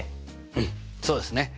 うんそうですね。